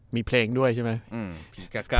มีเพลงด้วยใช่ไหม